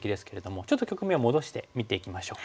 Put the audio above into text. ちょっと局面を戻して見ていきましょう。